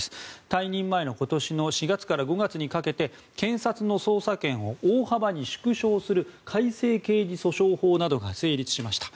退任前の今年の４月から５月にかけて検察の捜査権を大幅に縮小する改正刑事訴訟法などが成立しました。